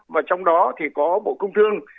và trong đó thì có bộ cung thương